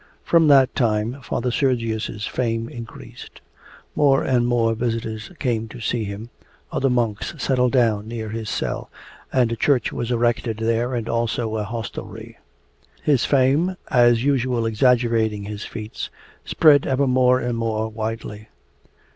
From that time Father Sergius's fame increased. More and more visitors came to see him, other monks settled down near his cell, and a church was erected there and also a hostelry. His fame, as usual exaggerating his feats, spread ever more and more widely.